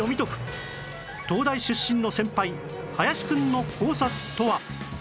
東大出身の先輩林くんの考察とは？